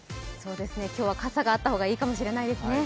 今日は傘があった方がいいかもしれないですね。